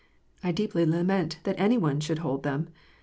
I deeply lament that any one should hold them.